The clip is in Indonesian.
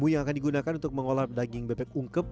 bu yang akan digunakan untuk mengolah daging bebek ungkep